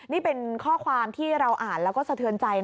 นี่เป็นข้อความที่เราอ่านแล้วก็สะเทือนใจ